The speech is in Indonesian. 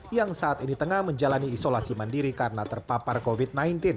yang saat ini tengah menjalani isolasi mandiri karena terpapar covid sembilan belas